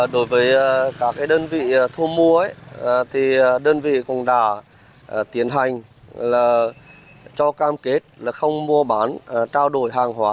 đối với các đơn vị thu mua đơn vị cũng đã tiến hành cho cam kết không mua bán trao đổi hàng hóa